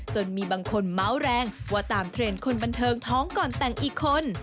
จนมีบางคนเมาส์แรงว่าตามเทรนด์คนบันเทิงท้องก่อนแต่งอีกคน